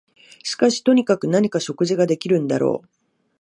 しかしとにかく何か食事ができるんだろう